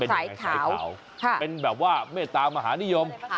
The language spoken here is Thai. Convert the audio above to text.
เป็นยังไงสายขาวค่ะเป็นแบบว่าเมตตามหานิยมฮะ